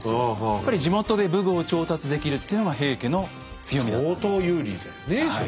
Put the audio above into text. やっぱり地元で武具を調達できるっていうのは平家の強みだったんです。